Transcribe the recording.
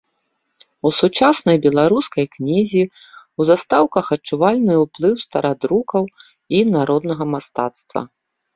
У сучаснай беларускай кнізе ў застаўках адчувальны уплыў старадрукаў і народнага мастацтва.